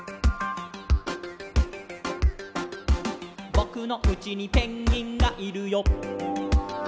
「ぼくのうちにペンギンがいるよ」